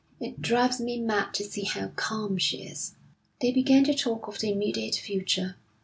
It drives me mad to see how calm she is.' They began to talk of the immediate future.